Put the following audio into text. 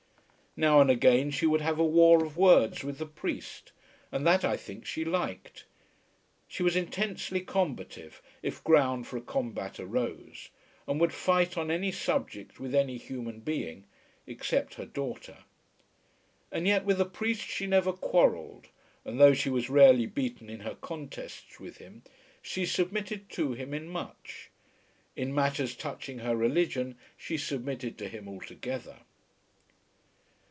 Now and again she would have a war of words with the priest, and that, I think, she liked. She was intensely combative, if ground for a combat arose; and would fight on any subject with any human being except her daughter. And yet with the priest she never quarrelled; and though she was rarely beaten in her contests with him, she submitted to him in much. In matters touching her religion she submitted to him altogether.